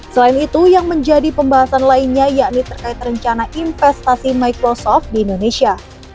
selain itu yang menjadi pembahasan lainnya yakni terkait rencana investasi microsoft di indonesia